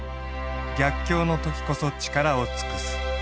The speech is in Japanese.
「逆境の時こそ力を尽くす」。